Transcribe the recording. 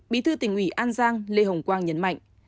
bí thư tỉnh ủy an giang lê hồng quang nhấn mạnh